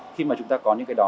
khi mà chúng ta có những cái đó